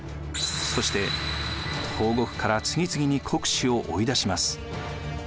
そして東国から次々に国司を追い出します。